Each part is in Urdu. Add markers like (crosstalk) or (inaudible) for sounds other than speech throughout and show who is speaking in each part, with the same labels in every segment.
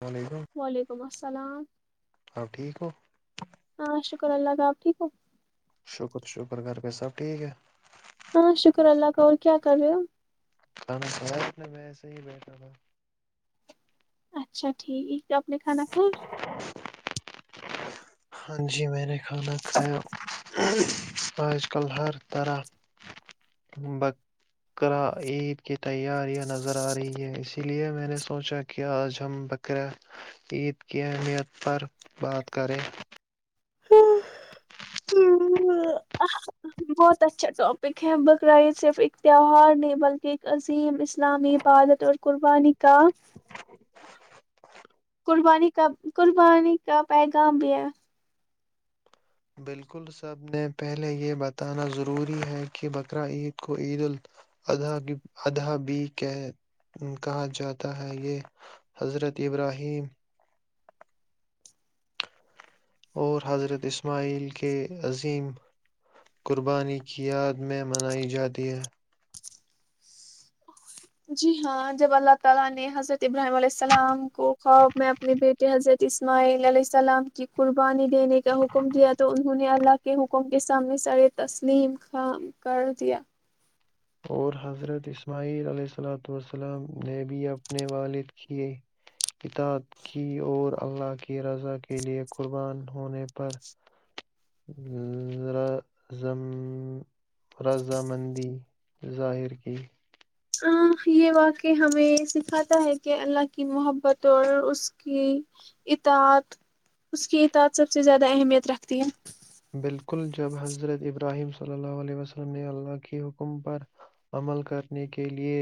Speaker 1: السلام علیکم
Speaker 2: وعلیکم السلام
Speaker 1: آپ ٹھیک ہو
Speaker 2: ہاں شکر اللہ سب ٹھیک ہو
Speaker 1: شکر شکر گھر پ سب ٹھیک ہے
Speaker 2: ہاں شکر اللہ کا اور کیا کر رہے ہو
Speaker 1: کانا سا انے میں ایسے ہی بیٹھا تھا
Speaker 2: اچھا ٹھیک ہے کیا اپنے کھانا کھا
Speaker 1: (unintelligible) (inaudible) ہاں جی میں نے خانا سے آج کل ہر طرح بقرا عید کی تیاریاں نظر آ رہی ہیں اسی لیے میں نے سوچا کہ آج ہم بقرا عید کی اہمیت پر بات کریں
Speaker 2: ہ بہت اچھا ٹاپک ہے بقراعید صرف ایک تہوار نہیں بلکہ ایک عظیم اسلامی عبادت اور قربانی کا قربانی کا قربانی کا پیغام بھی ہے
Speaker 1: بالکل سب نے پہلے یہ بتانا ضروری ہے کہ بقرا عید کو عید اضحی اداب کہ کہا جاتا ہے یہ حضرت ابراہیم اور حضرت اسماعیل کے عظیم قربانی کی یاد میں منائی جاتی ہے
Speaker 2: جی ہاں جب اللہ تعالی نے حضرت ابراہیم علیہ السلام کو خواب میں اپنے بیٹے حضرت اسماعیل علیہ السلام کی قربانی دینے کا حکم دیا تو انہوں نے اللہ کے حکم کے سامنے سر تسلیم خام کر دیا
Speaker 1: اور حضرت اسماعیل علیہ اللۃسلم نے بھی اپنے والد کی کتاب کی اور اللہ کی رضا کے لیئے قربان ہونے پر رضم رضامندی ظاہر کی
Speaker 2: یہ واقع ہمیں سکھاتا ہے کہ اللہ کی محبت اور اس کی اتا اس کی اتاد سب سے زیادہ اہمیت رکھتی ہے
Speaker 1: بالکل جب حضرت ابراہیم صلی اللہ علیہ وسلم نے اللہ کی حکم پر عمل کرنے کے لیے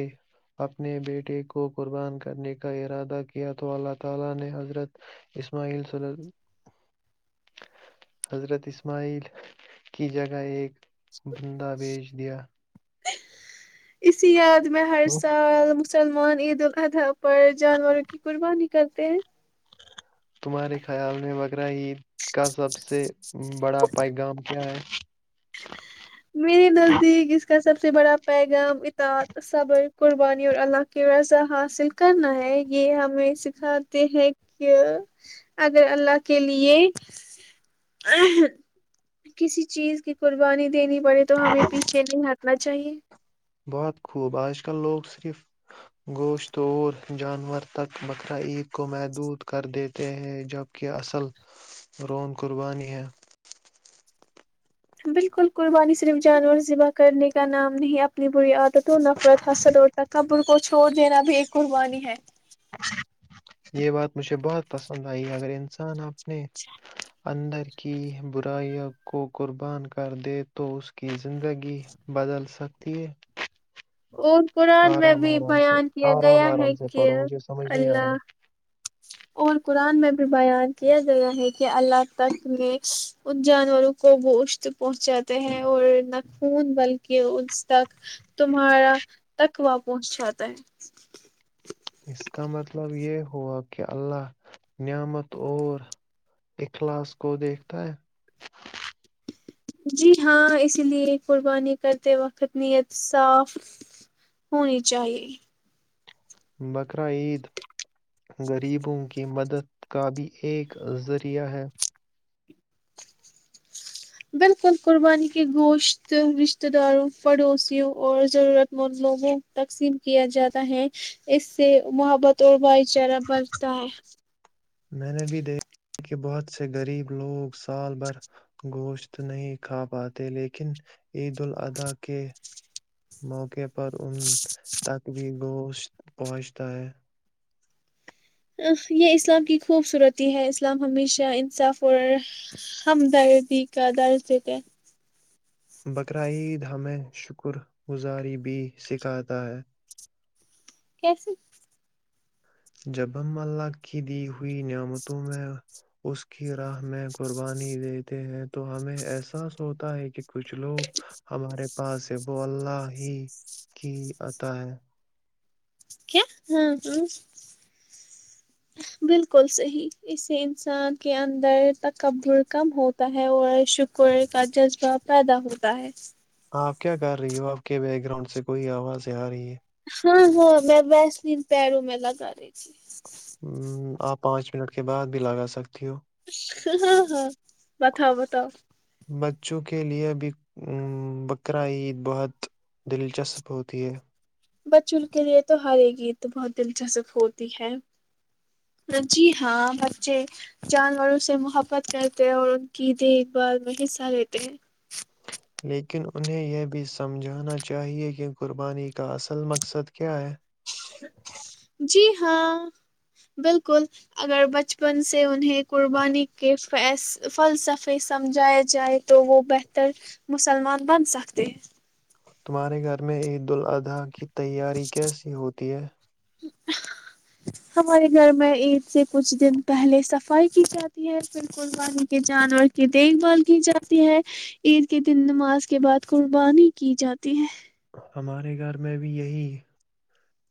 Speaker 1: اپنے بیٹے کو قربان کرنے کا ارادہ کیا تو اللہ تعالی نے حضرت اسماعیل حضرت اسماعیل کی جگہ ایک بندہ بھیج دیا
Speaker 2: اسی یاد میں ہر سال مسلمان عید الخطا پر جانوروں کی قربانی کرتے ہیں
Speaker 1: تمہارے خیال میں بق برا عید کا سب سے بڑا پیغام کیا ہے
Speaker 2: میرے نزدیک اس کا سب سے بڑا پیغام اتاد صبر قربانی اور اللہ کی رضا حاصل کرنا ہے یہ ہمیں سکھاتے ہیں کہ اگر اللہ کے لیے کسی چیز کی قربانی دینی بے تو ہمیں پیچے نہیں ہ نہ چاہیے
Speaker 1: بہت خوب آج کل لوگ صرف گوشت اور جانور تک بقر عید کو محدود کر دیتے ہیں جبکہ اصل رون قربانی ہے
Speaker 2: بالکل قربانی صرف جانور سے بات کرنے کا نام نہیں آپ بی نفرت ک کو چھوڑ دینا بھی ایک قربانی ہے
Speaker 1: یہ بات مجھے بہت پسند آئی اگر انسان آپ
Speaker 2: اچھا (unintelligible)
Speaker 1: اندر کی برائییاوں کو قربان کر دے تو اس کی زندگی بدل سکتی ہے
Speaker 2: اور قرآن میں
Speaker 1: آرام
Speaker 2: بھی
Speaker 1: آرام سے
Speaker 2: بیان کیا
Speaker 1: آرام
Speaker 2: گیا ہے
Speaker 1: آرام سے
Speaker 2: کہ
Speaker 1: پڑھو مجھے سمجھ نہیں آ رہا
Speaker 2: اللہ
Speaker 1: ہے
Speaker 2: اور قرآن میں بھی بیان کیا گیا ہے کہ اللہ تک میں ان جانوروں کو وہ اشت پہنچاتے ہیں اور نہ خون بلکہ اس تک تم تارا تکوا پہنچ جاتا ہے
Speaker 1: اس کا مطلب یہ ہوا کہ اللہ نعمت اور اخلاص کو دیکھتا ہے
Speaker 2: جی ہاں اسی لیے قربانی کرتے وقت نیت صاف ہونی چاہیے
Speaker 1: بقر عید غریبوں کی مدد کا بھی ایک ذریعہ ہے
Speaker 2: بالکل قربانی کے گوشت رشتہ داروں پڑوسیوں اور ضرورت مند لوگوں تقسیم کیا جاتا ہے اس سے محبت اور بھائی چارہ بھتا ہے
Speaker 1: میں نے بھی دیکھا ہے کہ غریب لوگ جو گوشت نہیں خرید سکتے عید کا انتظار کرتے ہیں پر ان تک بھی گوشت پہنچتا ہے
Speaker 2: یہ اسلام کی خوبصورتی ہے اسلام ہمیشہ انصاف اور ہمدردی کا درج دیتے ہیں
Speaker 1: بقر عید ہمیں شکر گزاری بھی سکھاتا ہے
Speaker 2: کیسے
Speaker 1: جب ہم اللہ کی دی ہوئی نعمتوں میں اس کی راہ میں قربانی دیتے ہیں تو ہمیں احساس ہوتا ہے کہ کچھ لوگ ہمارے پاس ہے وہ اللہ ہی کی آتا ہے
Speaker 2: کیا ہ ہ بالکل صحیح اس سے انسان کے اندر تک کا بول کم ہوتا ہے اور شکر کا جذبہ پیدا ہوتا ہے
Speaker 1: آپ کیا کر رہی ہو آپ کے بیک گراؤنڈ سے کوئی آوازیں آ رہی ہے
Speaker 2: ہاں ہاں میں ویس دن پیروں میں لگا رہی تھی
Speaker 1: ہ آپ پانچ منٹ کے بعد بھی لگا سکتے
Speaker 2: ہاں ہاں بتاؤ بتاؤ
Speaker 1: بچوں کے لے بھی بقر عید بہت دلچسپ ہوتی ہے
Speaker 2: بچوں کے لیے تو ہر ایک گیت بہت دلچسپ ہوتی ہے جی ہاں بچے جانوروں سے محبت کرتے ہیں اور ان کی دیکھ بھال میں حصہ لیتے ہیں
Speaker 1: لیکن انہیں یہ بھی سمجھانا چاہیے کہ قربانی کا اصل مقصد کیا ہے
Speaker 2: جی ہاں بالکل اگر بچپن سے انہیں قربانی کے فی فلسفے سمجھاائے جائے تو وہ بہتر مسلمان بن سکتے ہیں
Speaker 1: تمہارے گھر میں عید الاضحی کی تیاری کیسی ہوتی ہے
Speaker 2: ہمارے گھر میں عید سے کچھ دن پہلے صفائی کی جاتی ہے پھر قربانی کے جانور کی دیکھ بھال کی جاتی ہے عید کے دن نماز کے بعد قربانی کی جاتی ہے
Speaker 1: ہمارے گھر میں بھی یہی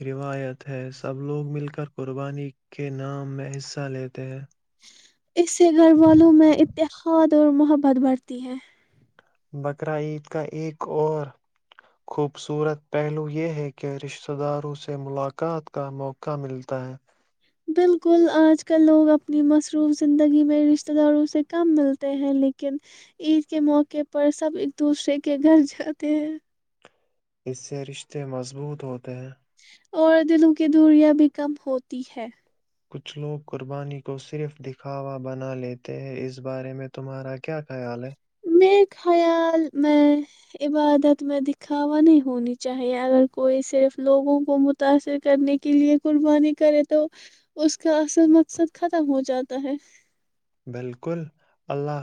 Speaker 1: روایت ہے سب لوگ مل کر قربانی کے نام میں حصہ لیتے ہیں
Speaker 2: اس سے گھر والوں میں اتقاد اور محبت بڑھتی ہے
Speaker 1: بقر عید کا ایک اور خوبصورت پہلو یہ ہے کہ رشتہ داروں سے ملاقات کا موقع ملتا ہے
Speaker 2: بالکل آج کل لوگ اپنی مصروف زندگی میں رشتہ داروں سے کم ملتے ہیں لیکن عید کے موقعے پر سب ایک دوسرے کے گھر جاتے ہیں
Speaker 1: اس سے رشتے مضبوط ہوتے ہیں
Speaker 2: اور دلوں کی دوریاں بھی کم ہوتی ہے
Speaker 1: کچھ لوگ قربانی کو صرف دکھاوا بنا لیتے ہیں اس بارے میں تمہارا کیا خیال ہے
Speaker 2: میرے خیال میں عبادت میں دکھاوا نہیں ہونی چاہیے اگر کوئی صرف لوگوں کو متاثر کرنے کے لیے قربانی کرے تو اس کا اصل مقصد ختم ہو جاتا ہے
Speaker 1: بالکل اللہ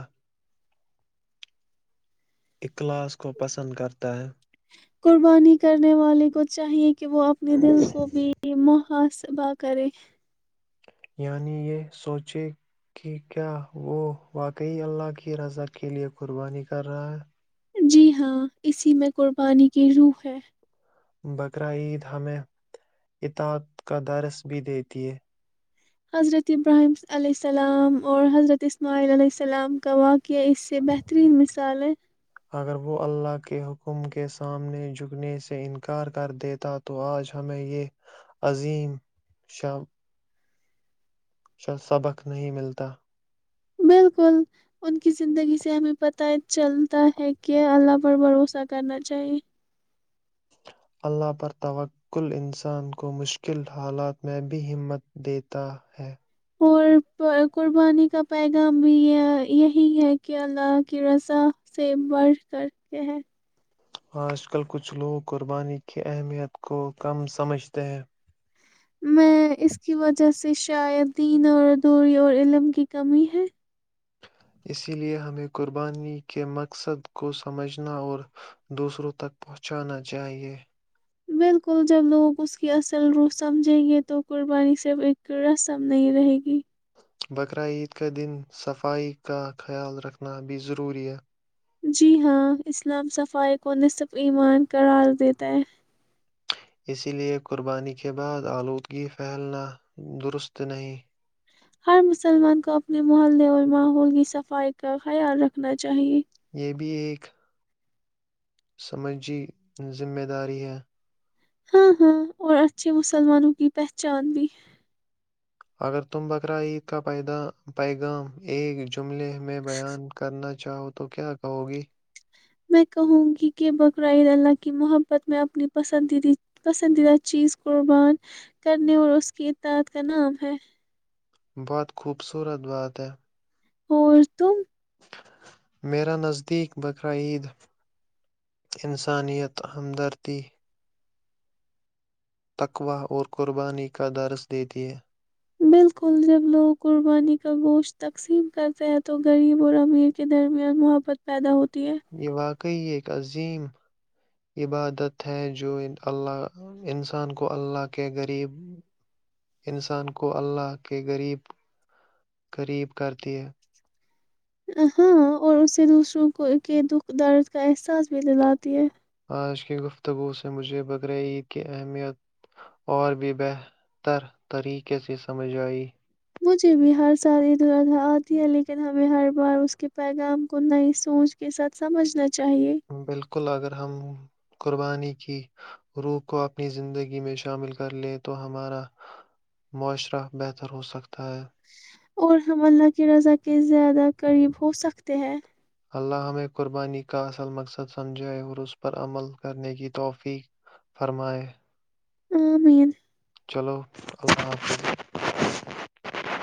Speaker 1: اخلاص کو پسند کرتا ہے
Speaker 2: قربانی کرنے والے کو چاہیے کہ وہ اپنے دل کو بھی م خس ب کرے
Speaker 1: یعنی یہ سوچے کہ کیا وہ واقعی اللہ کی رضا کے لیے قربانی کر رہا ہے
Speaker 2: جی ہاں اسی میں قربانی کی روح ہے
Speaker 1: بقر عید ہمیں اتااد کا درس بھی دیتی ہے
Speaker 2: حضرت ابراہیم علیہ السلام اور حضرت اسماعیل علیہ السلام کا واقعہ اس سے بہترین مثال ہے
Speaker 1: اگر وہ اللہ کے حکم کے سامنے جکنے سے انکار کر دیتا تو آج ہمیں یہ عظیم ش شا سبق نہیں ملتا
Speaker 2: بالکل ان کی زندگی سے ہمیں پت چلتا ہے کہ اللہ پر بھروسہ کرنا چاہیے
Speaker 1: اللہ پر توکل انسان کو مشکل حالات میں بھی ہمت دیتا ہے
Speaker 2: اور قربانی کا پیغام بھی یہ یہی ہے کہ اللہ کی رضا سے بڑ کر کے ہے
Speaker 1: آج کل کچھ لوگ قربانی کی اہمیت کو کم سمجھتے ہیں
Speaker 2: میں اس کی وجہ سے سے شا دین اوردوری اور علم کی کمی ہے
Speaker 1: اسی لے ہمیں قربانی کے مقصد کو سمجھنا اور دوسروں تک پہنچانا چاہیئے
Speaker 2: بالکل جب لوگ اس کی اصل روح سمجھیں گے تو قربانی صرف ایک رسم نہیں رہے گی
Speaker 1: بقرہ عید کا دن صفائی کا خیال رکھنا بھی ضروری ہے
Speaker 2: جی ہاں اسلام صفائی کو نصب ایمان قرار دیتا ہے
Speaker 1: اسی لیئے قربانی کے بعد آلودگی پھیلنا درست نہیں
Speaker 2: ہر مسلمان کو اپنے محلے اور ماحول کی صفائی کا خیال رکھنا چاہیے
Speaker 1: یہ بھی ایک (unintelligible) سمجی ذمہ داری ہے (unintelligible)
Speaker 2: ہاں ہاں اور اچھے مسلمانوں کی پہچان بھی (unintelligible)
Speaker 1: اگر تم بقرا عید کا پیغ ایک جملے میں بیان کرنا جاؤ تو کیا کہو گی
Speaker 2: میں کہوں گی کہ بقرعید اللہ کی محبت میں اپنی پسندیدی پسندیدہ چیز قربان کرنے اور اس کی اتاد کا نام ہے
Speaker 1: بہت خوبصورت بات ہے
Speaker 2: اور تو (unintelligible)
Speaker 1: میرا نزدیک بقرعید انسانیت ہمدردی تقوہ اور قربانی کا درس دیتی ہے
Speaker 2: بالکل جب لوگ قربانی کا گوشت تقسیم کرتے ہیں تو غریب اور امیر کے درمیان محبت پیدا ہوتا
Speaker 1: یہ بات (unintelligible) کئی ایک عظیم عبادت ہے جو اللہ انسان کو اللہ کے غریب انسان کو اللہ کے غریب قریب کرتی ہے
Speaker 2: ہاں اور اسے دوسروں کو کے دکھ درد کا احساس بھی دلاتی ہے
Speaker 1: آج کی گفتگو سے مجھے بقر عید کی اہمیت اور بھی بہتر طریقے سے سمجھ آئی
Speaker 2: مجھے بھی ہر سال ادھر ادھر آتی ہے لیکن ہمیں ہر بار اس کے پیغام کو نئی سوچ کے ساتھ سمجھنا چاہیے
Speaker 1: بالکل اگر ہم قربانی کی روح کو اپنی زندگی میں شامل کر لیں تو ہمارا معاشرہ بہتر ہو سکتا تھا (unintelligible)
Speaker 2: اور ہم اللہ کی رضا کے زیادہ قریب ہو سکتے ہیں
Speaker 1: (inaudible)
Speaker 2: ہ مین (unintelligible)
Speaker 1: چلو اللہ حافظ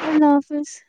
Speaker 2: اللہ حافظ (unintelligible)